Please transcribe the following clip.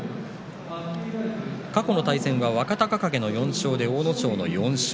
過去の対戦は若隆景の４勝で阿武咲の４勝。